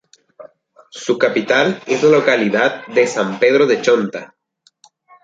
Su capital es la localidad de "San Pedro de Chonta".